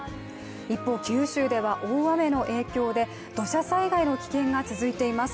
一方、九州では大雨の影響で土砂災害の危険が続いています。